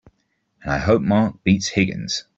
And I hope Mark beats Higgins!